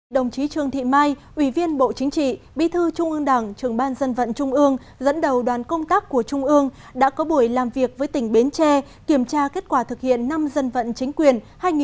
đồng chí trương thị mai ủy viên bộ chính trị bí thư trung ương đảng trường ban dân vận trung ương dẫn đầu đoàn công tác của trung ương đã có buổi làm việc với tỉnh bến tre kiểm tra kết quả thực hiện năm dân vận chính quyền hai nghìn một mươi hai